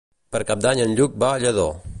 Per Cap d'Any en Lluc va a Lladó.